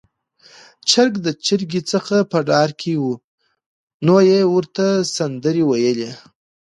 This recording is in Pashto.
چرګ د چرګې څخه په ډار کې و، نو يې ورته سندرې وويلې